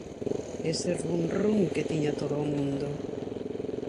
Ese runrún que tiña todo o mundo.